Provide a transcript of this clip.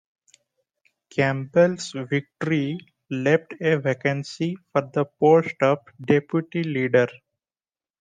Campbell's victory left a vacancy for the post of deputy leader.